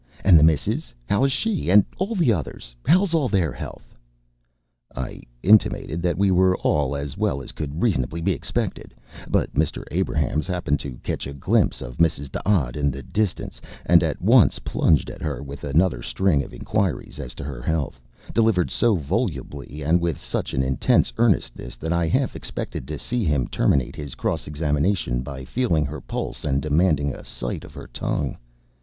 "And the missis, 'ow is she? And all the others 'ow's all their 'ealth?" I intimated that we were all as well as could reasonably be expected; but Mr. Abrahams happened to catch a glimpse of Mrs. D'Odd in the distance, and at once plunged at her with another string of inquiries as to her health, delivered so volubly and with such an intense earnestness that I half expected to see him terminate his cross examination by feeling her pulse and demanding a sight of her tongue.